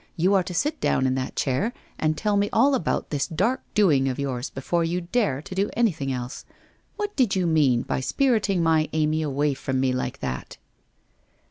You are to sit down in that chair and tell me all about this dark doing of yours before you dare to do anything else. What did you mean by spiriting my Amy away from me like that?'